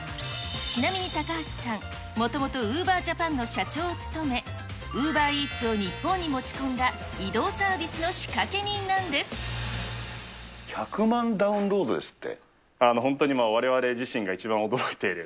ちなみに高橋さん、もともとウーバージャパンの社長を務め、ウーバーイーツを日本に持ち込んだ移動サービスの仕掛け人なんで１００万ダウンロードですって。